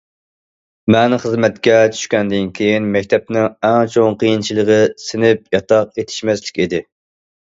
مەن خىزمەتكە چۈشكەندىن كېيىن، مەكتەپنىڭ ئەڭ چوڭ قىيىنچىلىقى سىنىپ، ياتاق يېتىشمەسلىك ئىدى.